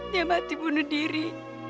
dia mati bunuh diri